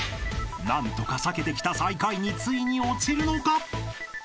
［何とか避けてきた最下位についに落ちるのか？］